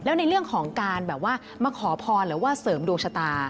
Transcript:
แล้วในเรื่องของการแบบว่ามาขอพรหรือว่าเสริมดวงชะตา